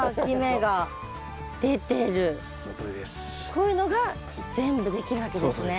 こういうのが全部できるわけですね。